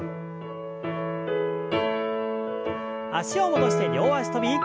脚を戻して両脚跳び。